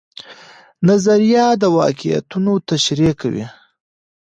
نظریه د واقعیتونو تشریح کوي.